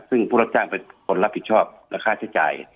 ซึ่งผู้รับจ้างเป็นคนรับผิดชอบและค่าใช้จ่าย